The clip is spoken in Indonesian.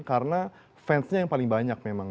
karena fansnya yang paling banyak memang